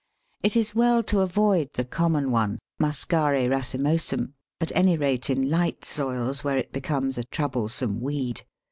It is well to avoid the common one (Muscari racemosum), at any rate in light soils, where it becomes a troublesome weed.